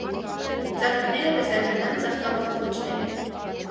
Ծաղիկները կը զարգանան ծաղկաբողբոջներէն։